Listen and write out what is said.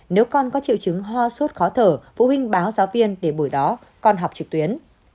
nếu con có triệu chứng ho sốt khó thở phụ huynh báo giáo viên để buổi đó con học trực tuyến